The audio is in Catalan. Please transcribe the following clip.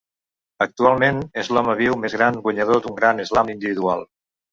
Actualment és l'home viu més gran guanyador d'un Grand Slam individual.